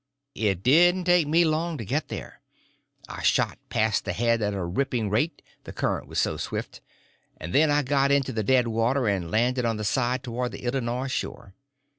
It didn't take me long to get there. I shot past the head at a ripping rate, the current was so swift, and then I got into the dead water and landed on the side towards the Illinois shore.